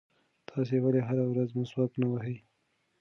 تاسې ولې هره ورځ مسواک نه وهئ؟